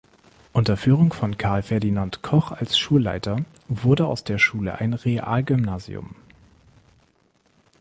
Unter Führung von Carl Ferdinand Koch als Schulleiter wurde aus der Schule ein Realgymnasium.